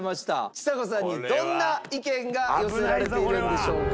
ちさ子さんにどんな意見が寄せられているんでしょうか？